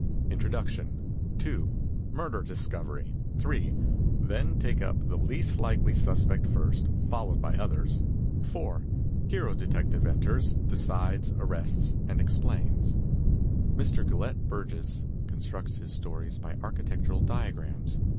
Introduction. 2. Murder discovery. 3. Then take up the least likely suspect first, followed by others. 4. Hero Detective enters, decides, arrests and ex plains, Mr. Gelett Burgess constructs his stories by architectural diagrams.